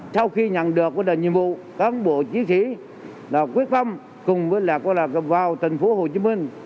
sau khi nhận được nhiệm vụ cán bộ chiến sĩ quyết phong cùng với vào thành phố hồ chí minh